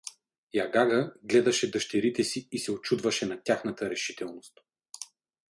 Ягага гледаше дъщерите си и се учудваше на тяхната решителност.